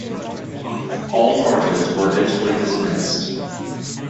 All charges were eventually dismissed.